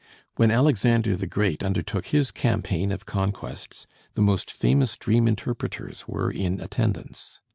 When Alexander the Great undertook his campaign of conquests, the most famous dream interpreters were in attendance.